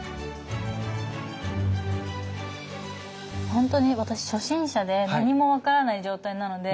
ほんとに私初心者で何も分からない状態なので。